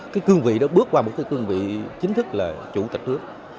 cái cương vị đó bước qua một cái cương vị chính thức là chủ tịch nước